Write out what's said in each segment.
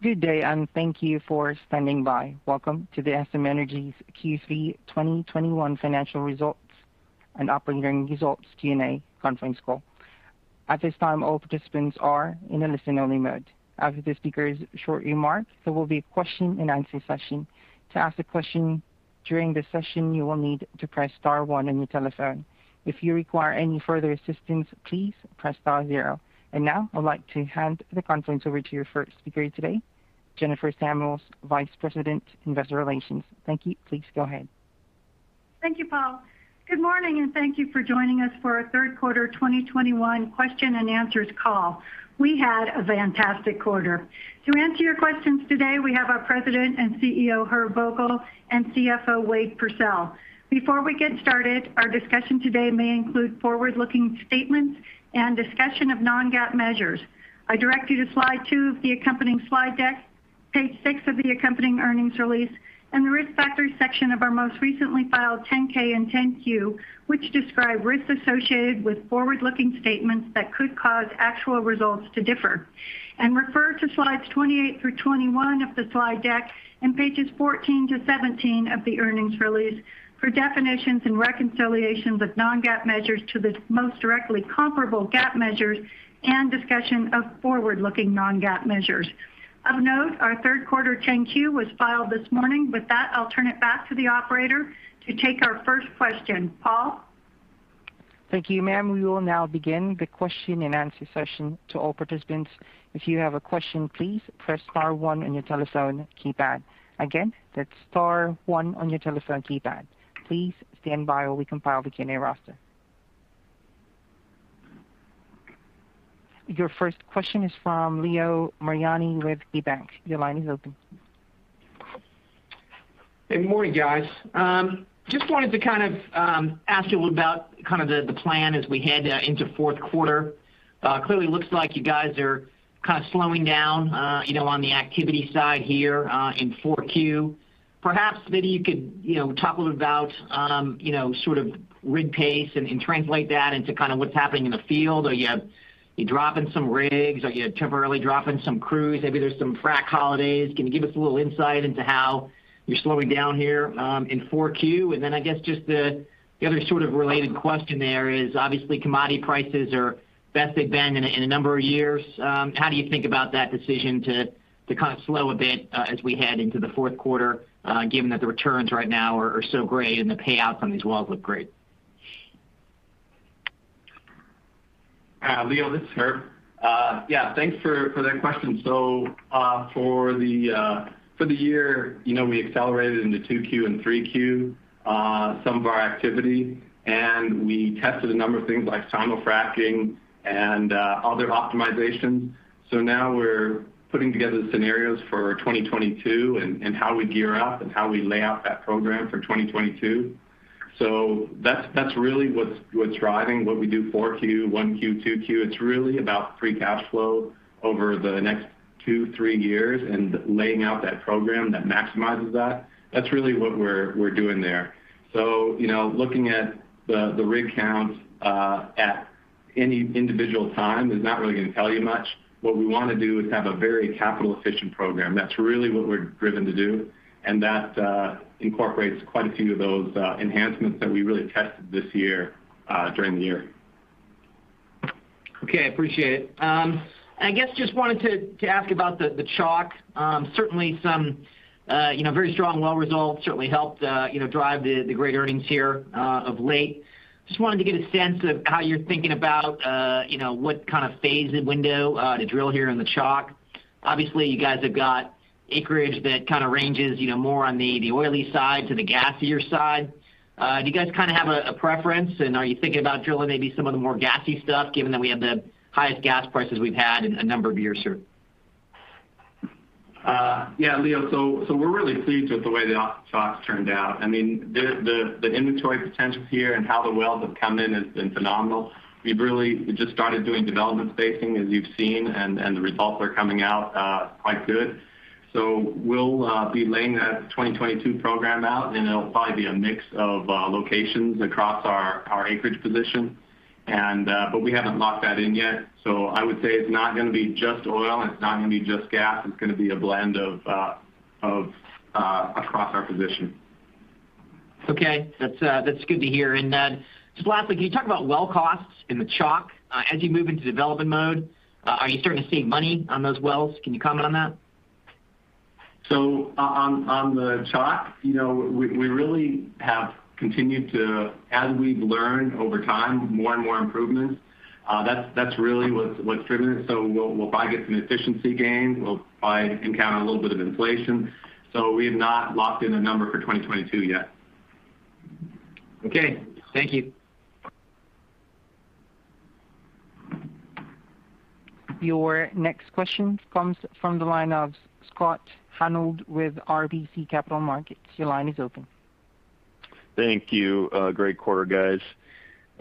Good day, and thank you for standing by. Welcome to the SM Energy's Q3 2021 financial results and operating results Q&A conference call. At this time, all participants are in a listen-only mode. After the speaker's short remarks, there will be a question-and-answer session. To ask a question during the session, you will need to press star one on your telephone. If you require any further assistance, please press star zero. Now I'd like to hand the conference over to your first speaker today, Jennifer Samuels, Vice President, Investor Relations. Thank you. Please go ahead. Thank you, Paul. Good morning, and thank you for joining us for our Q3 2021 question and answers call. We had a fantastic quarter. To answer your questions today, we have our President and CEO, Herb Vogel, and CFO, Wade Pursell. Before we get started, our discussion today may include forward-looking statements and discussion of non-GAAP measures. I direct you to slide two of the accompanying slide deck, page six of the accompanying earnings release, and the Risk Factors section of our most recently filed 10-K and 10-Q, which describe risks associated with forward-looking statements that could cause actual results to differ. Refer to slides 21-28 of the slide deck and pages 14-17 of the earnings release for definitions and reconciliations of non-GAAP measures to the most directly comparable GAAP measures and discussion of forward-looking non-GAAP measures. Of note, our Q3 10-Q was filed this morning. With that, I'll turn it back to the operator to take our first question. Paul? Thank you, ma'am. We will now begin the question-and-answer session. To all participants, if you have a question, please press star one on your telephone keypad. Again, that's star one on your telephone keypad. Please stand by while we compile the Q&A roster. Your first question is from Leo Mariani with KeyBanc. Your line is open. Good morning, guys. Just wanted to kind of ask you about kind of the plan as we head into Q4. Clearly looks like you guys are kind of slowing down, you know, on the activity side here in 4Q. Perhaps maybe you could, you know, talk a little about, you know, sort of rig pace and translate that into kind of what's happening in the field. Are you dropping some rigs? Are you temporarily dropping some crews? Maybe there's some frack holidays. Can you give us a little insight into how you're slowing down here in 4Q? I guess just the other sort of related question there is obviously commodity prices are best they've been in a number of years. How do you think about that decision to kind of slow a bit as we head into the Q4, given that the returns right now are so great and the payouts on these wells look great? Leo, this is Herb. Yeah, thanks for that question. For the year, you know, we accelerated into 2Q and 3Q some of our activity, and we tested a number of things like simul-fracking and other optimizations. Now we're putting together the scenarios for 2022 and how we gear up and how we lay out that program for 2022. That's really what's driving what we do 4Q, 1Q, 2Q. It's really about free cash flow over the next two-three years and laying out that program that maximizes that. That's really what we're doing there. You know, looking at the rig count at any individual time is not really gonna tell you much. What we wanna do is have a very capital efficient program. That's really what we're driven to do, and that incorporates quite a few of those enhancements that we really tested this year during the year. Okay. I appreciate it. I guess just wanted to ask about the chalk. Certainly some very strong well results certainly helped drive the great earnings here of late. Just wanted to get a sense of how you're thinking about what kind of phase and window to drill here in the chalk. Obviously, you guys have got acreage that kind of ranges more on the oily side to the gassier side. Do you guys have a preference, and are you thinking about drilling maybe some of the more gassy stuff, given that we have the highest gas prices we've had in a number of years, Herb? Yeah, Leo. We're really pleased with the way the chalk's turned out. I mean, the inventory potential here and how the wells have come in has been phenomenal. We've just started doing development spacing, as you've seen, and the results are coming out quite good. We'll be laying that 2022 program out, and it'll probably be a mix of locations across our acreage position. But we haven't locked that in yet. I would say it's not gonna be just oil, and it's not gonna be just gas. It's gonna be a blend of across our position. Okay. That's good to hear. Just lastly, can you talk about well costs in the chalk? As you move into development mode, are you starting to see money on those wells? Can you comment on that? On the Chalk, you know, we really have continued to, as we've learned over time, more and more improvements. That's really what's driven it. We'll probably get some efficiency gains. We'll probably encounter a little bit of inflation. We have not locked in a number for 2022 yet. Okay. Thank you. Your next question comes from the line of Scott Hanold with RBC Capital Markets. Your line is open. Thank you. Great quarter, guys.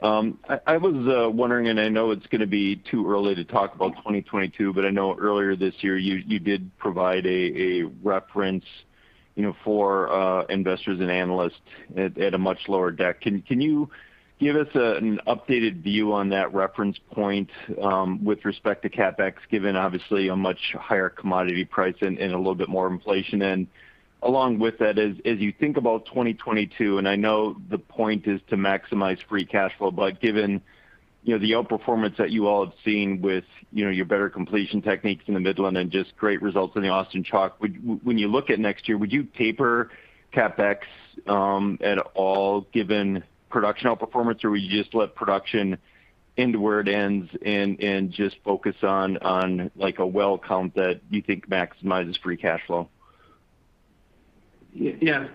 I was wondering, and I know it's gonna be too early to talk about 2022, but I know earlier this year you did provide a reference. You know, for investors and analysts at a much lower deck. Can you give us an updated view on that reference point, with respect to capex, given obviously a much higher commodity price and a little bit more inflation? Along with that, as you think about 2022, and I know the point is to maximize free cash flow, but given, you know, the outperformance that you all have seen with, you know, your better completion techniques in the Midland and just great results in the Austin Chalk, when you look at next year, would you taper capex at all given production outperformance, or will you just let production end where it ends and just focus on like a well count that you think maximizes free cash flow? Yes,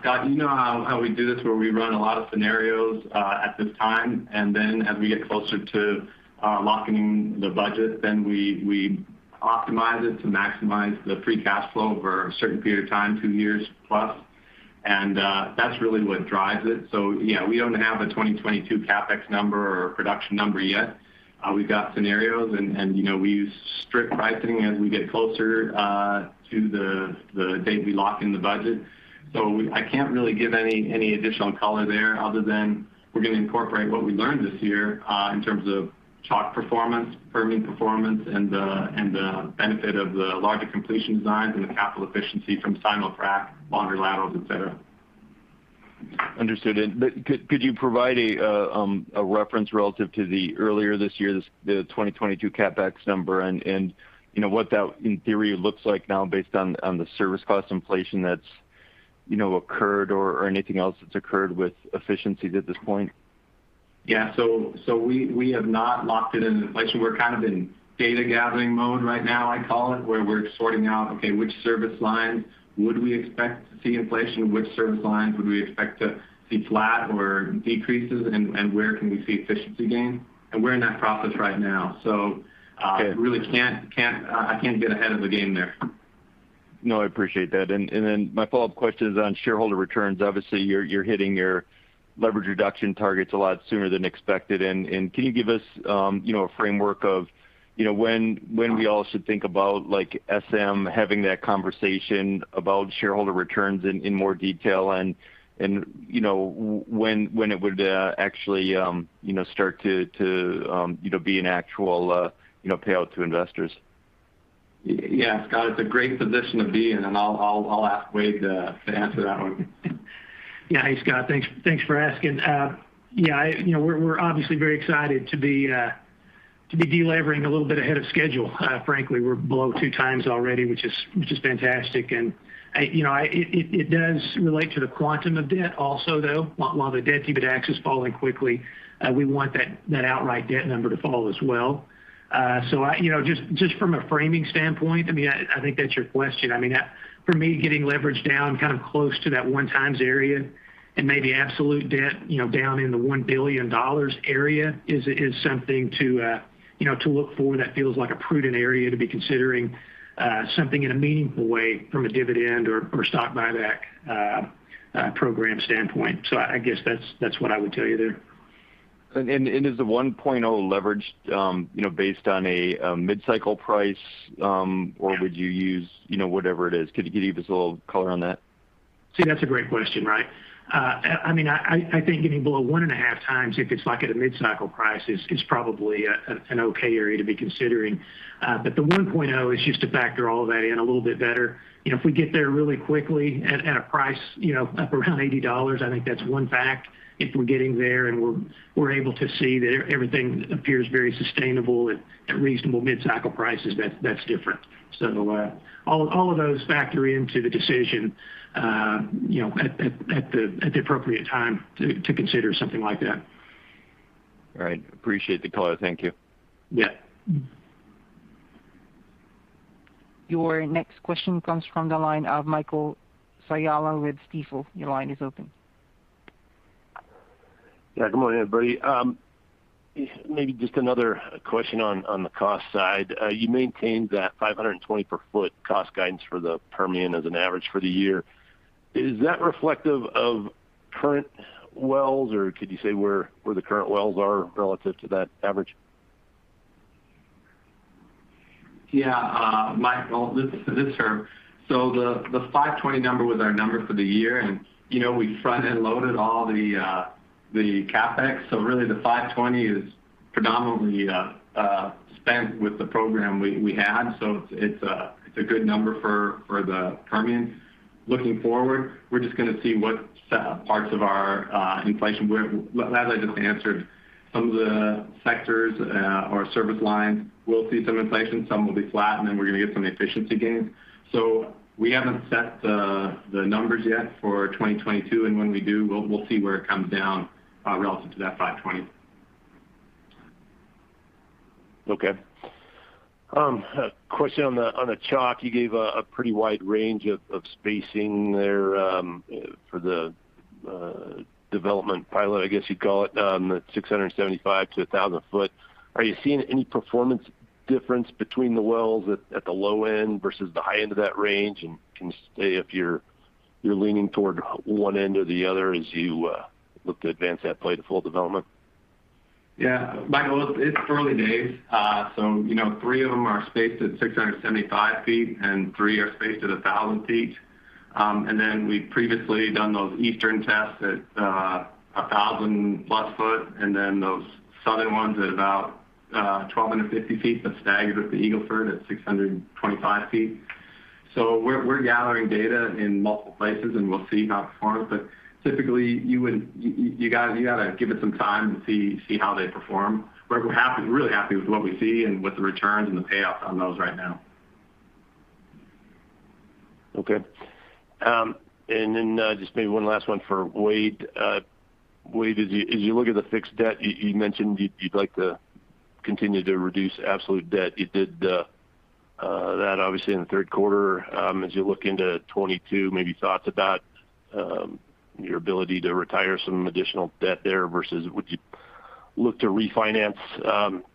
Scott, you know how we do this, where we run a lot of scenarios at this time, and then as we get closer to locking the budget, then we optimize it to maximize the free cash flow over a certain period of time, two years plus. That's really what drives it. You know, we don't have a 2022 capex number or a production number yet. We've got scenarios and, you know, we use strip pricing as we get closer to the date we lock in the budget. I can't really give any additional color there other than we're gonna incorporate what we learned this year, in terms of chalk performance, Permian performance, and the benefit of the larger completion designs and the capital efficiency from simul-frac, longer laterals, et cetera. Understood. Could you provide a reference relative to earlier this year, the 2022 capex number and, you know, what that, in theory, looks like now based on the service cost inflation that's occurred, or anything else that's occurred with efficiencies at this point? Yeah. We have not locked it in. Like you said, we're kind of in data gathering mode right now, I call it, where we're sorting out, okay, which service lines would we expect to see inflation, which service lines would we expect to see flat or decreases, and where can we see efficiency gain? We're in that process right now, so. Okay I can't get ahead of the game there. No, I appreciate that. My follow-up question is on shareholder returns. Obviously, you're hitting your leverage reduction targets a lot sooner than expected. Can you give us a framework of when we all should think about, like, SM having that conversation about shareholder returns in more detail and when it would actually start to be an actual payout to investors? Yes, Scott, it's a great position to be in, and I'll ask Wade to answer that one. Yeah. Hey, Scott. Thanks for asking. Yeah, you know, we're obviously very excited to be delevering a little bit ahead of schedule, frankly. We're below two times already, which is fantastic. You know, it does relate to the quantum of debt also, though. While the debt EBITDA is falling quickly, we want that outright debt number to fall as well. You know, just from a framing standpoint, I mean, I think that's your question. I mean, for me, getting leverage down kind of close to that 1x area and maybe absolute debt, you know, down in the $1 billion area is something to, you know, to look for that feels like a prudent area to be considering something in a meaningful way from a dividend or stock buyback program standpoint. I guess that's what I would tell you there. Is the 1.0 leverage, you know, based on a mid-cycle price? Yeah or would you use, you know, whatever it is? Could you give us a little color on that? See, that's a great question, right? I mean, I think getting below 1.5 times, if it's like at a mid-cycle price, is probably an okay area to be considering. But the 1.0 is just to factor all that in a little bit better. You know, if we get there really quickly at a price, you know, up around $80, I think that's one fact. If we're getting there and we're able to see that everything appears very sustainable at reasonable mid-cycle prices, that's different. So, all of those factor into the decision, you know, at the appropriate time to consider something like that. All right. Appreciate the color. Thank you. Yeah. Your next question comes from the line of Michael Scialla with Stifel. Your line is open. Yeah. Good morning, everybody. Maybe just another question on the cost side. You maintained that $520 per foot cost guidance for the Permian as an average for the year. Is that reflective of current wells, or could you say where the current wells are relative to that average? Yeah. Mike, well, this year. The $520 million number was our number for the year, and you know we front-end loaded all the capex. Really the $520 million is predominantly spent with the program we had. It's a good number for the Permian. Looking forward, we're just gonna see what parts of our inflation were. Well, as I just answered, some of the sectors or service lines will see some inflation, some will be flat, and then we're gonna get some efficiency gains. We haven't set the numbers yet for 2022, and when we do, we'll see where it comes down relative to that $520 million. Okay. A question on the Chalk. You gave a pretty wide range of spacing there for the development pilot, I guess you'd call it, at 675-1,000 feet. Are you seeing any performance difference between the wells at the low end versus the high end of that range? Can you say if you're leaning toward one end or the other as you look to advance that play to full development? Yeah, Michael, it's early days. You know, three of them are spaced at 675 feet, and three are spaced at 1,000 feet. We've previously done those eastern tests at a 1,000-plus foot, and then those southern ones at about 1,250 feet, but staggered with the Eagle Ford at 625 feet. We're gathering data in multiple places, and we'll see how it performs. Typically, you gotta give it some time to see how they perform. We're happy, really happy with what we see and with the returns and the payoffs on those right now. Okay. Just maybe one last one for Wade. Wade, as you look at the fixed debt, you mentioned you'd like to continue to reduce absolute debt. You did that obviously in the Q3. As you look into 2022, maybe thoughts about your ability to retire some additional debt there versus would you look to refinance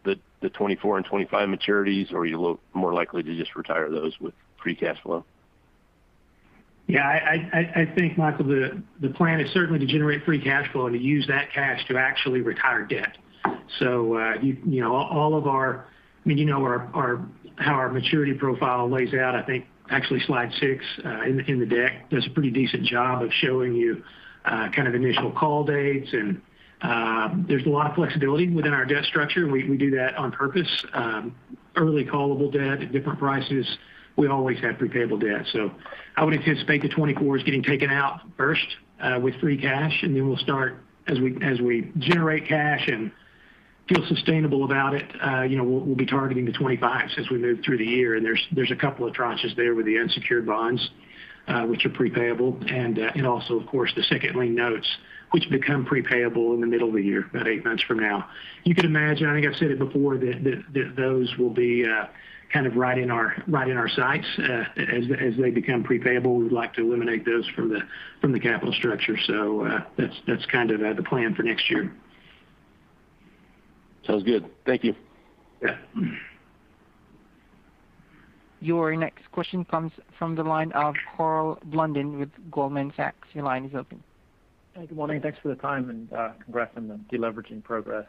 the 2024 and 2025 maturities? Or are you more likely to just retire those with free cash flow? Yeah, I think, Michael, the plan is certainly to generate free cash flow and to use that cash to actually retire debt. You know, all of our. I mean, you know, our how our maturity profile lays out. I think actually slide six in the deck does a pretty decent job of showing you kind of initial call dates and there's a lot of flexibility within our debt structure, and we do that on purpose. Early callable debt at different prices. We always have prepayable debt. I would anticipate the 2024s getting taken out first with free cash, and then we'll start as we generate cash and feel sustainable about it, you know, we'll be targeting the 2025s as we move through the year. There's a couple of tranches there with the unsecured bonds, which are prepayable. Of course, the second lien notes, which become prepayable in the middle of the year, about eight months from now. You can imagine, I think I've said it before, that those will be kind of right in our sights as they become prepayable. We'd like to eliminate those from the capital structure. That's kind of the plan for next year. Sounds good. Thank you. Yeah. Your next question comes from the line of Karl Blunden with Goldman Sachs. Your line is open. Good morning. Thanks for the time and congrats on the deleveraging progress.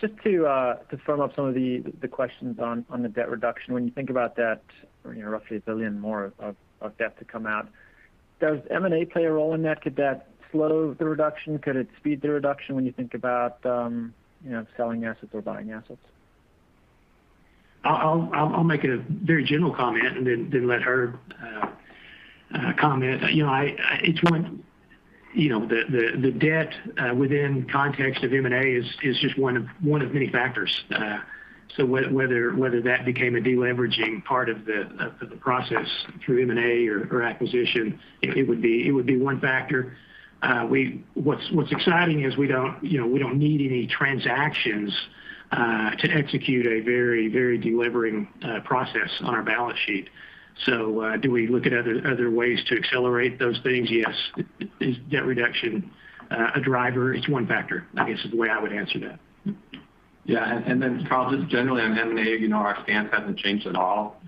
Just to firm up some of the questions on the debt reduction. When you think about that, you know, roughly $1 billion more of debt to come out, does M&A play a role in that? Could that slow the reduction? Could it speed the reduction when you think about, you know, selling assets or buying assets? I'll make it a very general comment and then let Herb comment. You know, it's one. You know, the debt within context of M&A is just one of many factors. Whether that became a deleveraging part of the process through M&A or acquisition, it would be one factor. What's exciting is we don't, you know, we don't need any transactions to execute a very deleveraging process on our balance sheet. Do we look at other ways to accelerate those things? Yes. Is debt reduction a driver? It's one factor, I guess, is the way I would answer that. Yeah. Karl, just generally on M&A, you know, our stance hasn't changed at all.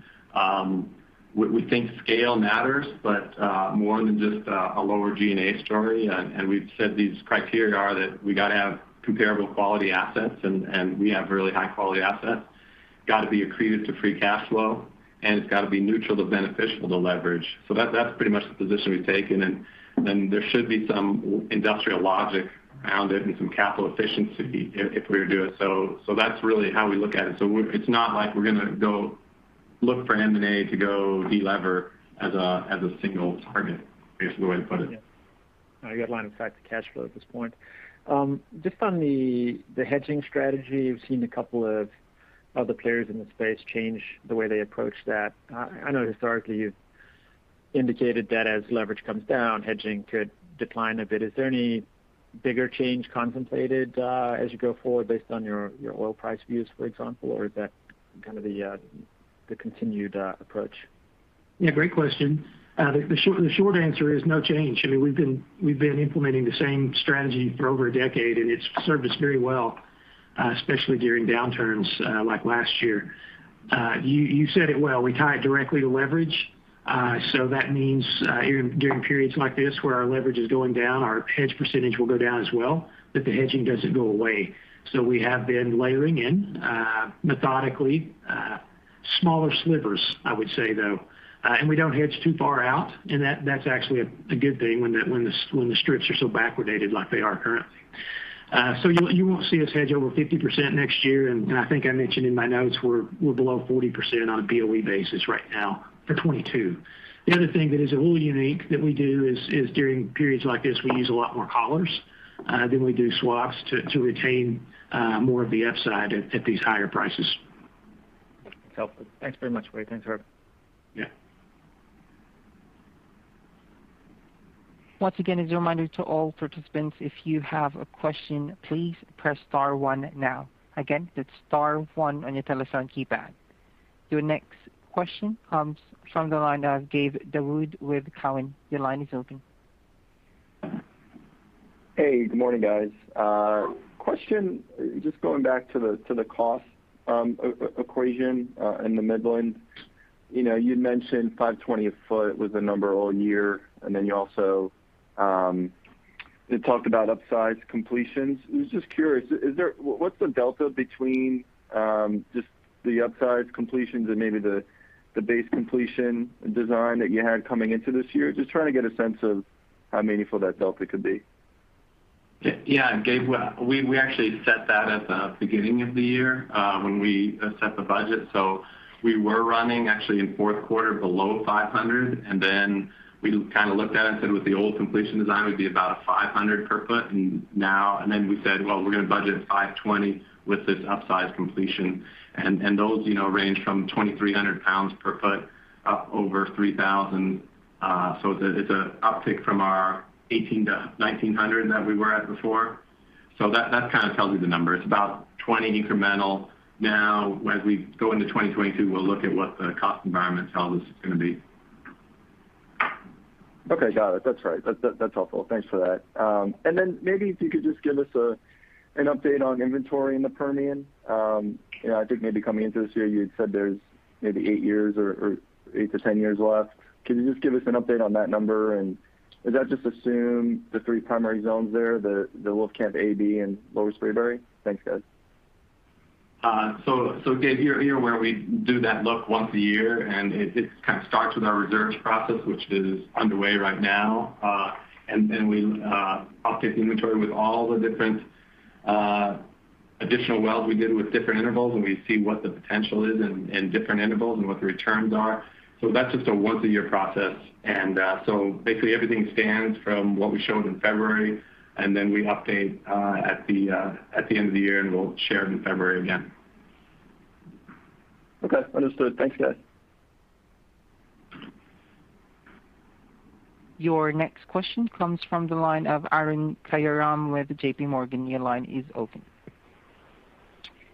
We think scale matters, but more than just a lower G&A story. We've said these criteria are that we gotta have comparable quality assets, and we have really high-quality assets. Gotta be accretive to free cash flow, and it's gotta be neutral to beneficial to leverage. That's pretty much the position we've taken. There should be some industrial logic around it and some capital efficiency if we were to do it. That's really how we look at it. It's not like we're gonna go look for M&A to go delever as a single target, basically the way to put it. Yeah. You got line of sight to cash flow at this point. Just on the hedging strategy, we've seen a couple of other players in the space change the way they approach that. I know historically you've indicated that as leverage comes down, hedging could decline a bit. Is there any bigger change contemplated as you go forward based on your oil price views, for example? Or is that kind of the continued approach? Yeah, great question. The short answer is no change. I mean, we've been implementing the same strategy for over a decade, and it's served us very well, especially during downturns like last year. You said it well. We tie it directly to leverage. So that means, even during periods like this where our leverage is going down, our hedge percentage will go down as well, but the hedging doesn't go away. So we have been layering in methodically smaller slivers, I would say, though. And we don't hedge too far out, and that's actually a good thing when the strips are so backwardated like they are currently. So you won't see us hedge over 50% next year. I think I mentioned in my notes we're below 40% on a BOE basis right now for 22. The other thing that is a little unique that we do is during periods like this, we use a lot more collars than we do swaps to retain more of the upside at these higher prices. That's helpful. Thanks very much, Wade. Thanks, Herb. Yeah. Once again, as a reminder to all participants, if you have a question, please press star one now. Again, it's star one on your telephone keypad. Your next question comes from the line of Gabe Daoud with Cowen. Your line is open. Hey, good morning, guys. Question, just going back to the cost equation in the Midland. You know, you'd mentioned $520 a foot was the number all year, and then you also talked about upsize completions. I was just curious, what's the delta between just the upsize completions and maybe the base completion design that you had coming into this year? Just trying to get a sense of how meaningful that delta could be. Yeah. Yeah, Gabe, we actually set that at the beginning of the year when we set the budget. We were running actually in Q4 below $500, and then we kind of looked at it and said with the old completion design, it would be about $500 per foot. Then we said, well, we're gonna budget $520 with this upsize completion. Those, you know, range from 2,300 pounds per foot up over 3,000. It's a uptick from our 1,800-1,900 that we were at before. That kind of tells you the number. It's about $20 incremental. Now, as we go into 2022, we'll look at what the cost environment tells us it's gonna be. Okay. Got it. That's right. That, that's helpful. Thanks for that. And then maybe if you could just give us an update on inventory in the Permian. You know, I think maybe coming into this year you had said there's maybe eight years or 8-10 years left. Can you just give us an update on that number? Does that just assume the three primary zones there, the Wolfcamp A, B, and Lower Spraberry? Thanks, guys. Gabe, you're aware we do that look once a year, and it kind of starts with our reserves process, which is underway right now. We update the inventory with all the different additional wells we did with different intervals, and we see what the potential is in different intervals and what the returns are. That's just a once a year process. Basically everything stands from what we showed in February, and then we update at the end of the year, and we'll share it in February again. Okay. Understood. Thanks, guys. Your next question comes from the line of Arun Jayaram with JPMorgan. Your line is open.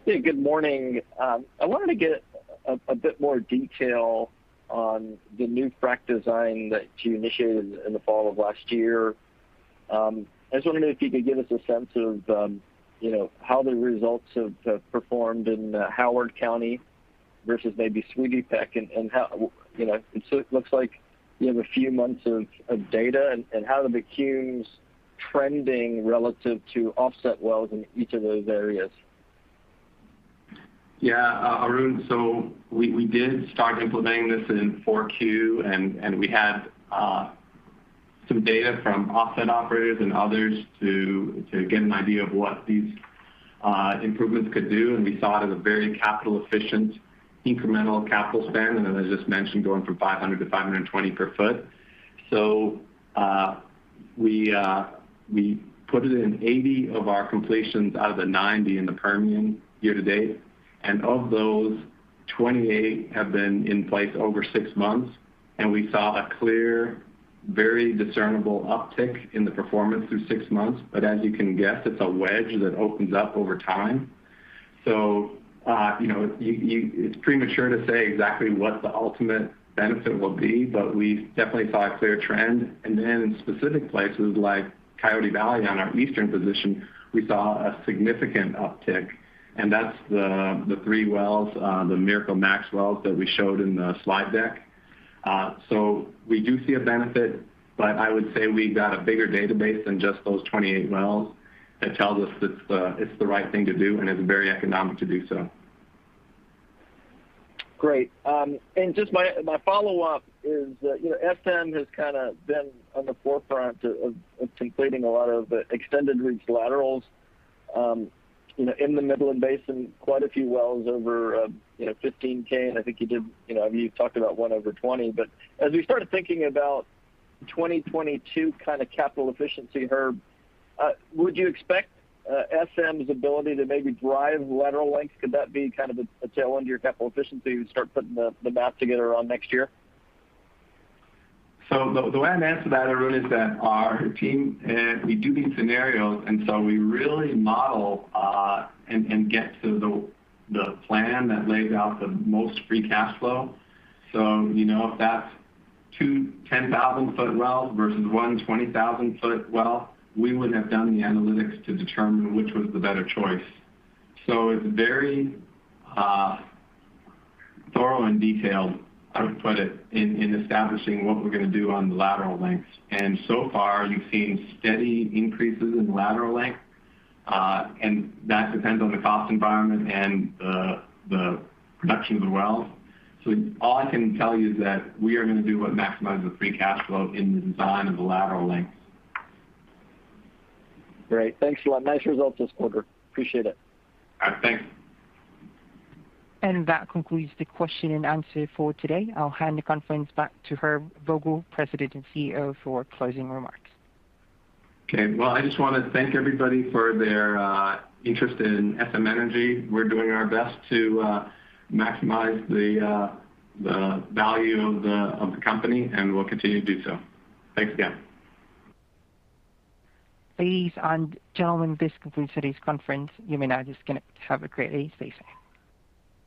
Yeah, good morning. I wanted to get a bit more detail on the new frac design that you initiated in the fall of last year. I was wondering if you could give us a sense of, you know, how the results have performed in Howard County versus maybe Sweetie Pack and how, you know it looks like you have a few months of data, and how are the CUMs trending relative to offset wells in each of those areas? Arun, we did start implementing this in Q4, and we had some data from offset operators and others to get an idea of what these improvements could do, and we saw it as a very capital efficient, incremental capital spend. Then as I just mentioned, going from 500-520 per foot. We put it in 80 of our completions out of the 90 in the Permian year to date. Of those, 28 have been in place over six months, and we saw a clear, very discernible uptick in the performance through six months. But as you can guess, it's a wedge that opens up over time. You know, it's premature to say exactly what the ultimate benefit will be, but we definitely saw a clear trend. In specific places like Coyote Valley on our eastern position, we saw a significant uptick. That's the three wells, the Miracle Max wells that we showed in the slide deck. We do see a benefit, but I would say we've got a bigger database than just those 28 wells that tells us it's the right thing to do, and it's very economic to do so. Great. Just my follow-up is, you know, SM has kinda been on the forefront of completing a lot of extended reach laterals, you know, in the Midland Basin, quite a few wells over 15K, and I think you did, you know, you've talked about one over 20. But as we started thinking about 2022 kinda capital efficiency, Herb, would you expect SM's ability to maybe drive lateral length? Could that be kind of a tailwind to your capital efficiency and start putting the math together on next year? The way I'd answer that, Arun, is that our team, we do these scenarios, and so we really model and get to the plan that lays out the most free cash flow. You know, if that's two 10,000-foot wells versus one 20,000-foot well, we would have done the analytics to determine which was the better choice. It's very thorough and detailed, I would put it, in establishing what we're gonna do on the lateral lengths. So far, we've seen steady increases in lateral length, and that depends on the cost environment and the production of the well. All I can tell you is that we are gonna do what maximizes the free cash flow in the design of the lateral lengths. Great. Thanks a lot. Nice result this quarter. Appreciate it. Thanks. That concludes the question and answer for today. I'll hand the conference back to Herb Vogel, President and CEO, for closing remarks. Okay. Well, I just wanna thank everybody for their interest in SM Energy. We're doing our best to maximize the value of the company, and we'll continue to do so. Thanks again. Ladies and gentlemen, this concludes today's conference. You may now disconnect. Have a great day. Thanks.